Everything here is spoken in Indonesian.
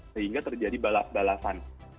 sehingga terjadi balasan